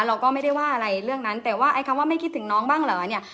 เราก็ไม่ได้ว่าอะไรเรื่องนั้นแต่ว่าไอ้คำว่าไม่คิดถึงน้องบ้างเหรอเนี่ย